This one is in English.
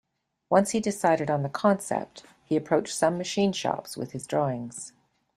Once he decided on the concept, he approached some machine shops with his drawings.